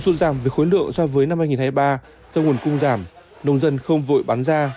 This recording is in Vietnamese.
xuất giảm về khối lượng so với năm hai nghìn hai mươi ba do nguồn cung giảm nông dân không vội bán ra